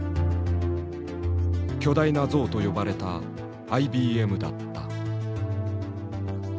「巨大な象」と呼ばれたＩＢＭだった。